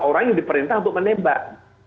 mereka diperintah untuk menembak